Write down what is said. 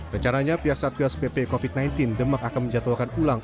rencananya pihak satgas pp covid sembilan belas demak akan menjatuhkan ulang